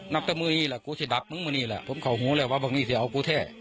นับแต่มือนี่แหละกูสิดับมึงมือนี่แหละผมเข้าหูแหละว่าพวกนี้สิเอากูแท้